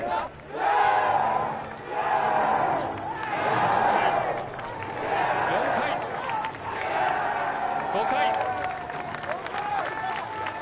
３回、４回、５回。